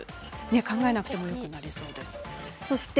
考えなくてもよくなりそうですね。